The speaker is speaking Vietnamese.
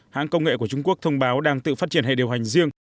hãng công nghệ của trung quốc thông báo đang tự phát triển hệ điều hành riêng